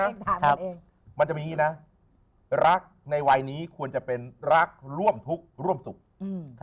มันจะมีอย่างงี้นะรักในวัยนี้ควรจะเป็นรักร่วมทุกข์ร่วมสุขอืม